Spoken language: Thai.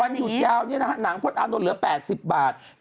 วันหยุดยาวนี่นะคะหนังพ่อต้านต้องเหลือ๘๐บาท